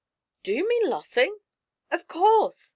'Do you mean Lossing?' 'Of course!